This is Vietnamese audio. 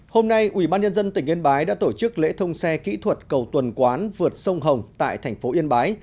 hôm nay ủy ban nhân dân tỉnh yên bái đã tổ chức lễ thông xe kỹ thuật cầu tuần quán vượt sông hồng tại thành phố yên bái